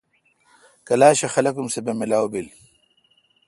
کلاشہ خلق سہ بہ ملاو بیل۔